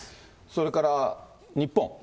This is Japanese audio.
それから日本。